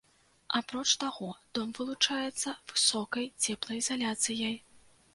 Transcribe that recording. Апроч таго, дом вылучаецца высокай цеплаізаляцыяй.